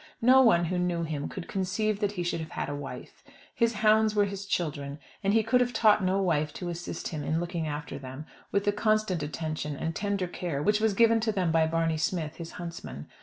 No one who knew him could conceive that he should have had a wife. His hounds were his children, and he could have taught no wife to assist him in looking after them, with the constant attention and tender care which was given to them by Barney Smith, his huntsman.